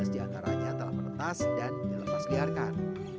dua ratus lima belas diantaranya telah menetas dan dilepasliarkan